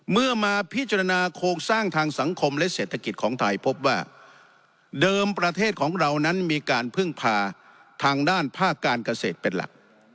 มาพิจารณาโครงสร้างทางสังคมและเศรษฐกิจของไทยพบว่าเดิมประเทศของเรานั้นมีการพึ่งพาทางด้านภาคการเกษตรเป็นหลัก